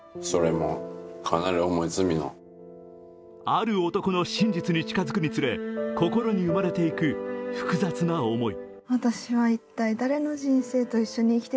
「ある男」の真実に近づくにつれ、心に生まれていく複雑な思い。